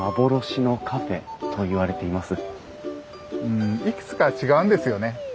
うんいくつか違うんですよね。